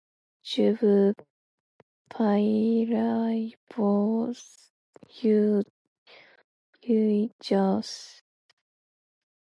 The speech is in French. Je vous payerai vos huit jours.